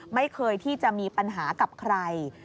ไม่เคยที่จะมีปัญหากับใคร